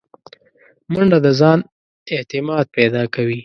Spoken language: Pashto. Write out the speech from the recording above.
منډه د ځان اعتماد پیدا کوي